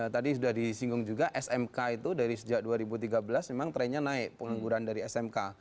tadi sudah disinggung juga smk itu dari sejak dua ribu tiga belas memang trennya naik pengangguran dari smk